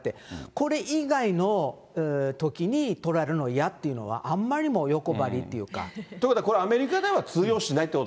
これ以外のときに撮られるの嫌っていうのは、あんまりにも欲張りということはこれ、アメリカ通用しない。